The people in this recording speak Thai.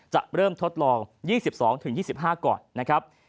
จะเริ่มทดลอง๒๒๒๕ก่อนนะครับ